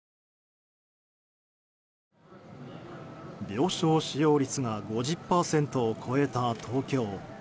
病床使用率が５０％を超えた東京。